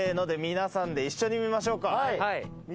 で、皆さんで一緒に見ましょうか。